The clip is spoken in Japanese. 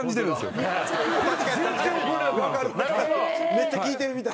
めっちゃ聞いてるみたい。